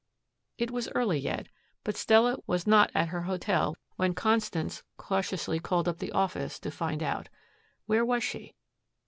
It was early yet, but Stella was not at her hotel when Constance cautiously called up the office to find out. Where was she?